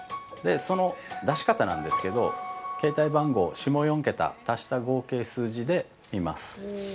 その出し方なんですけど携帯番号下４桁を足した合計数字で見ます。